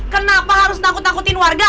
kenapa harus takut takutin warga